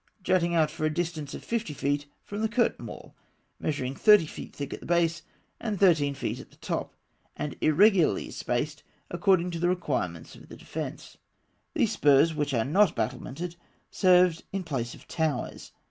jutting out for a distance of fifty feet from the curtain wall, measuring thirty feet thick at the base and thirteen feet at the top, and irregularly spaced, according to the requirements of the defence. These spurs, which are not battlemented, served in place of towers.